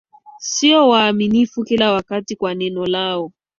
sio waaminifu kila wakati kwa neno lao